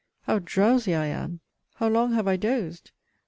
How drowsy I am! How long have I dozed?